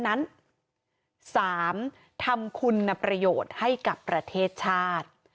๓ทำคุณประโยชน์ให้กับประเทศชาติ